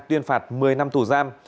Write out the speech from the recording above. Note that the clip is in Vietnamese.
tuyên phạt một mươi năm tù giam